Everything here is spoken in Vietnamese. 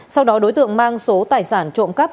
sau đó đối tượng mang số tài sản trộm cắp